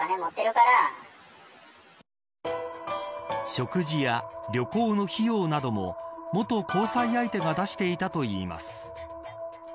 食事や旅行の費用なども元交際相手が出していたといいます。